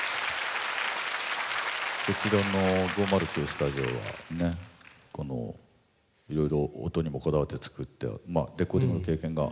こちらの５０９スタジオはねいろいろ音にもこだわって作ってレコーディングの経験があると。